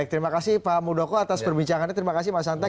terima kasih pak mudoko atas perbincangannya terima kasih pak santai